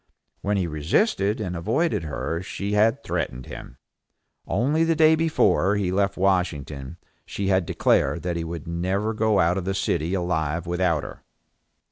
When he resisted and avoided her she had threatened him. Only the day before he left Washington she had declared that he should never go out of the city alive without her.